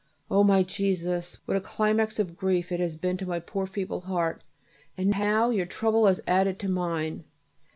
O! my Jesus! What a climax of grief it has been to my poor feeble heart and how your trouble has added to mine!